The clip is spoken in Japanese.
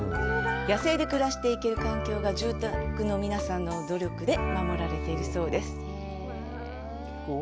野生で暮らしていける環境が住民の皆さんの努力で守られているそうです。